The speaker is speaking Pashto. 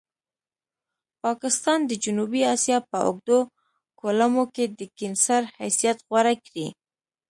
پاکستان د جنوبي اسیا په اوږدو کولمو کې د کېنسر حیثیت غوره کړی.